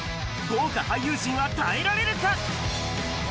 豪華俳優陣は耐えられるか？